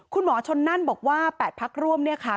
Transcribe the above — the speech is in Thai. คุณหมอชนนั่นบอกว่า๘พักร่วมเนี่ยค่ะ